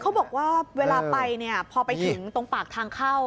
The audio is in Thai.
เขาบอกว่าเวลาไปเนี่ยพอไปถึงตรงปากทางเข้า